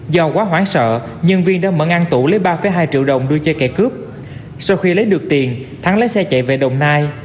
do quá hoảng sợ nhân viên đã mở ăn tủ lấy ba hai triệu đồng đưa chơi kẻ cướp sau khi lấy được tiền thắng lấy xe chạy về đồng nai